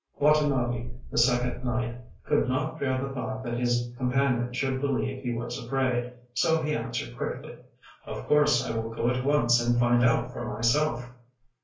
Watanabe, the second knight, could not bear the thought that his companion should believe he was afraid, so he answered quickly: ŌĆ£Of course, I will go at once and find out for myself!